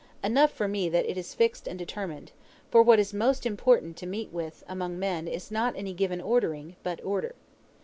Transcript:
Enough for me that it is fixed and determined: for what is most important to meet with among men is not any given ordering, but order.